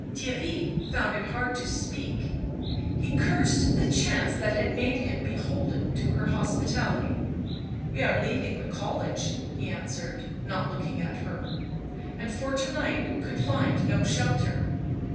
Theirry found it hard to speak; he cursed the chance that had made him beholden to her hospitality. " We arc leaving the college," he answered, not looking at her. " And for to night could find no shelter."